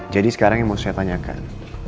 jadi sekarang yang mau saya tanyakan